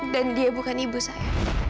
dan dia bukan ibu saya